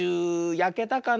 やけたかな。